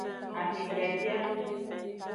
Amediadia.